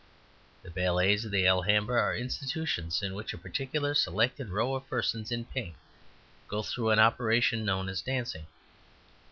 The ballets of the Alhambra are institutions in which a particular selected row of persons in pink go through an operation known as dancing.